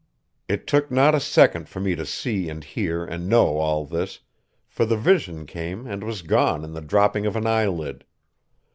It took not a second for me to see and hear and know all this, for the vision came and was gone in the dropping of an eyelid.